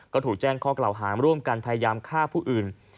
ก็ถูกแจ้งข้อกล่าวหาร่วมกันพยายามฆ่าผู้อื่น